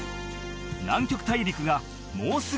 南極大陸がもうすぐ